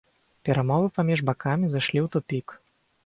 Перамовы паміж бакамі зайшлі ў тупік.